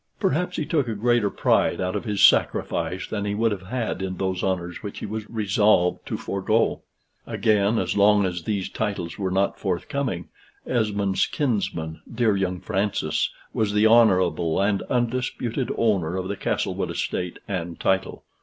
Perhaps he took a greater pride out of his sacrifice than he would have had in those honors which he was resolved to forego. Again, as long as these titles were not forthcoming, Esmond's kinsman, dear young Francis, was the honorable and undisputed owner of the Castlewood estate and title.